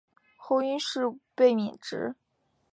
后因事被免职。